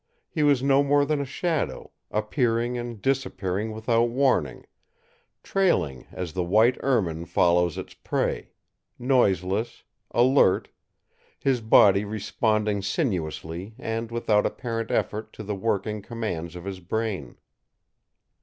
He was no more than a shadow, appearing and disappearing without warning, trailing as the white ermine follows its prey, noiseless, alert, his body responding sinuously and without apparent effort to the working commands of his brain.